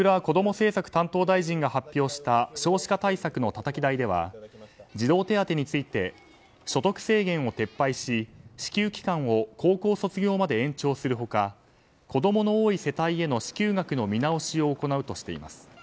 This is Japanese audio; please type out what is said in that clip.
政策担当大臣が発表した少子化対策のたたき台では児童手当について所得制限を撤廃し支給期間を高校卒業まで延長する他、子供の多い世帯への支給額の見直しを行うとしています。